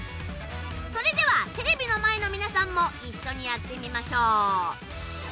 それではテレビの前の皆さんも一緒にやってみましょう。